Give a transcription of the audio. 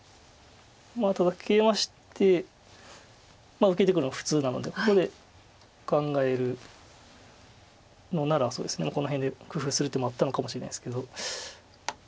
ただケイマして受けていくのが普通なのでここで考えるのならこの辺で工夫する手もあったのかもしれないですけど。